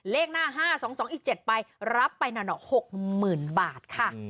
เลขหน้า๕๒๒อีก๗ไปรับไปหน่อ๖๐๐๐บาทค่ะ